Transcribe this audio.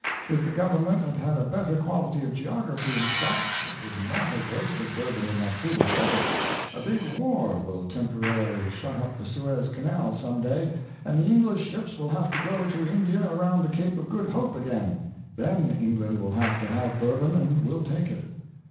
If the government had had a better quality of geography in stock it would not have wasted Bourbon in that foolish way. A big war will temporarily shut up the Suez Canal some day and the English ships will have to go to India around the Cape of Good Hope again; then England will have to have Bourbon and will take it.